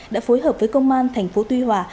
đã phối hợp với công an thành phố tuy hòa